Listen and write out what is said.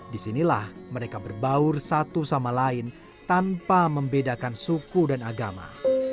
disinilah mereka berbaur satu sama lain tanpa membedakan suku dan agama